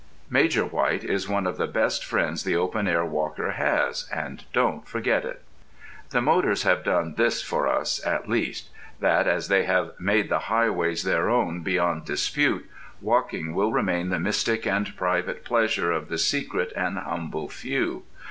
Major White is one of the best friends the open air walker has, and don't forget it! The motors have done this for us at least, that as they have made the highways their own beyond dispute, walking will remain the mystic and private pleasure of the secret and humble few.